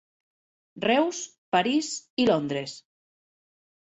Reus, París i Londres.